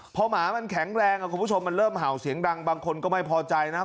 พอหมามันแข็งแรงคุณผู้ชมมันเริ่มเห่าเสียงดังบางคนก็ไม่พอใจนะ